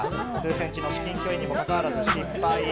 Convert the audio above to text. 数ｃｍの至近距離にも関わらず失敗。